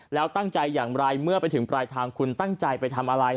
แล้วตั้งใจอย่างไรเมื่อไปถึงปลายทางคุณตั้งใจไปทำอะไร